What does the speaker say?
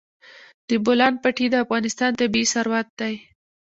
د بولان پټي د افغانستان طبعي ثروت دی.